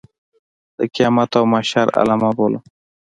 د قیامت او محشر علامه بولم.